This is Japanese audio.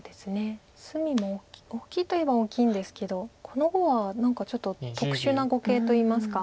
隅も大きいといえば大きいんですけどこの碁は何かちょっと特殊な碁形といいますか。